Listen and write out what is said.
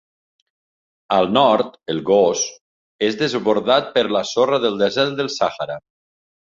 Al nord, el "goz" és desbordat per la sorra del desert del Sàhara.